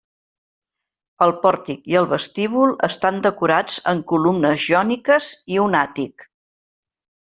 El pòrtic i el vestíbul estan decorats amb columnes jòniques i un àtic.